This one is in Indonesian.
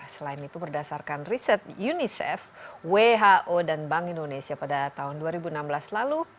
selain itu berdasarkan riset unicef who dan bank indonesia pada tahun dua ribu enam belas lalu